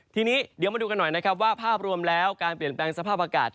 ทีนี้เดี๋ยวมาดูกันหน่อยนะครับว่าภาพรวมแล้วการเปลี่ยนแปลงสภาพอากาศ